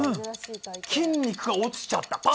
筋肉が落ちちゃった。